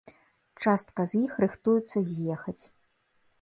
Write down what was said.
Частка з іх рыхтуюцца з'ехаць.